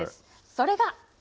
それが。